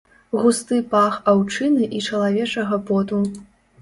Густы пах аўчыны і чалавечага поту.